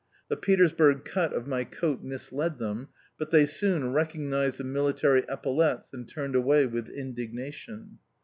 The Petersburg cut of my coat misled them; but they soon recognised the military epaulettes, and turned away with indignation.